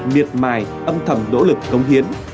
miệt mài âm thầm nỗ lực cống hiến